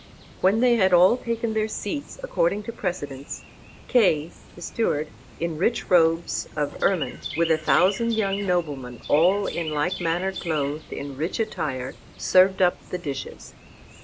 When they had all taken their seats according to precedence, Kay, the sewer, in rich robes of ermine, with a thousand young noblemen all in like manner clothed in rich attire, served up the dishes.